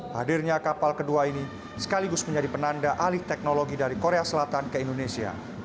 hadirnya kapal kedua ini sekaligus menjadi penanda alih teknologi dari korea selatan ke indonesia